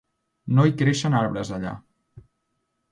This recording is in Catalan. No hi creixen arbres allà.